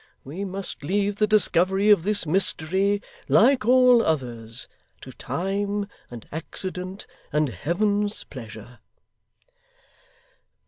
We must leave the discovery of this mystery, like all others, to time, and accident, and Heaven's pleasure.